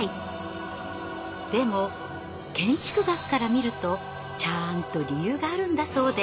でも建築学から見るとちゃんと理由があるんだそうで。